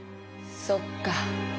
そっか